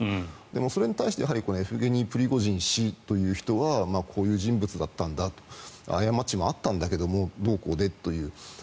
それに対してエフゲニー・プリゴジン氏という人はこういう人物だったんだと過ちもあったんだけどどうこうでという。